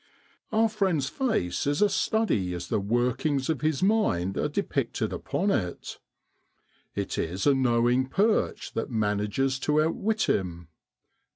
Our friend's face is a study as the workings of his mind are depicted upon it. It is a knowing perch that manages to outwit him.